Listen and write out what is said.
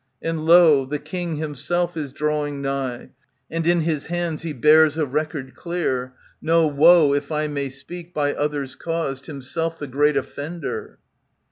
] And lo! the king himself is drawing nigh, And in his hands he bears a record clear. No woe (if I may speak) by others caused, Himself the great offender.